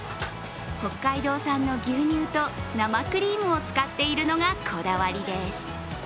北海道産の牛乳と生クリームを使っているのがこだわりです。